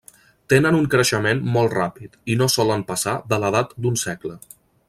Tenen un creixement molt ràpid i no solen passar de l'edat d'un segle.